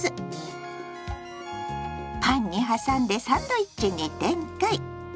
パンに挟んでサンドイッチに展開！